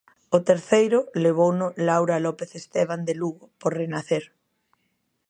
O terceiro levouno Laura López Esteban, de Lugo, por Renacer.